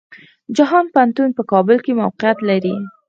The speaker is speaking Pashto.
جهان پوهنتون په کابل کې موقيعت لري.